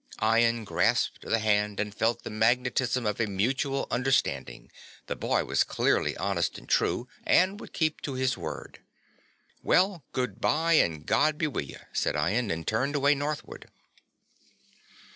Ian grasped the hand and felt the magnetism of a mutual understanding, the boy was clearly honest and true and would keep to his word. "Well, good bye and God be wi' ye," said Ian, and turned away northward.